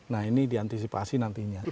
nah ini diantisipasi nantinya